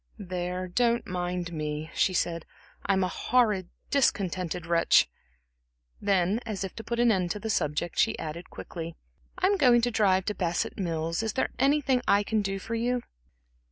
"There, don't mind me," she said. "I'm a horrid, discontented wretch." Then, as if to put an end to the subject, she added quickly: "I'm going to drive to Bassett Mills. Is there anything I can do for you?"